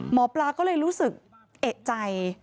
หมอปลาก็เลยรู้สึกเอกใจ